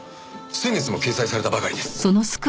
先月も掲載されたばかりです。